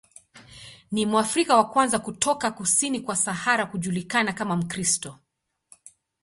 Ni Mwafrika wa kwanza kutoka kusini kwa Sahara kujulikana kama Mkristo.